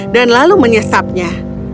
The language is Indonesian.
dan kemudian menyesapnya